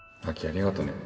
ありがとね